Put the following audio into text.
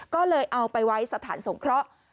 ก็เลยเอาไปไว้สถานสงเคราะห์